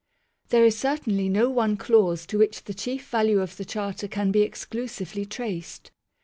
There is certainly no one clause to which the chief value of the Charter can be exclusively traced.